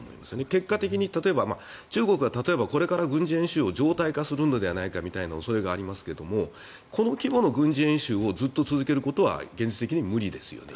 結果的に、例えば中国はこれから軍事演習を常態化するんじゃないかという恐れがありますけどこの規模の軍事演習をずっと続けることは現実的に無理ですよね。